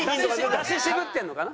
出し渋ってんのかな？